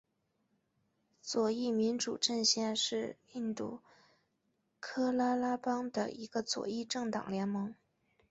左翼民主阵线是印度喀拉拉邦的一个左翼政党联盟。